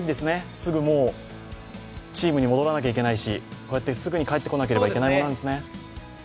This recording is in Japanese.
すぐもうチームに戻らなきゃいけないし、すぐに帰ってこなければいけないものなんですね。